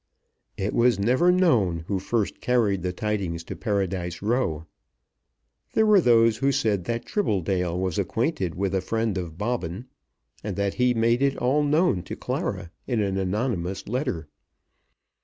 It was never known who first carried the tidings to Paradise Row. There were those who said that Tribbledale was acquainted with a friend of Bobbin, and that he made it all known to Clara in an anonymous letter.